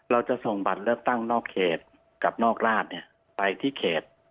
เราจะส่งบัตรเลือกตั้งนอกเขตกับนอกราชไปที่เขต